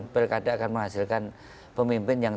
pilkada akan menghasilkan pemimpin yang